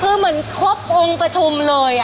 คือเหมือนครบองค์ประชุมเลย